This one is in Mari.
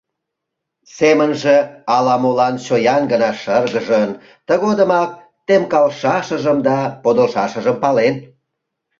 Семынже ала-молан чоян гына шыргыжын, тыгодымак темкалшашыжым да подылшашыжым пален.